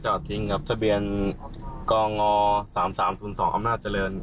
จอดทิ้งครับทะเบียนกง๓๓๐๒อำนาจเจริญ